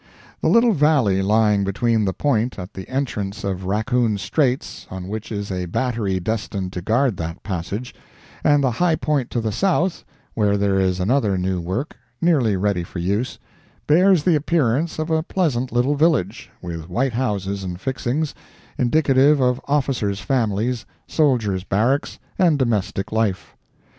The little valley lying between the Point at the entrance of Raccoon Straits, on which is a battery destined to guard that passage, and the high point to the south, where there is another new work, nearly ready for use, bears the appearance of a pleasant little village, with white houses and fixings, indicative of officers' families, soldiers' barracks, and domestic life.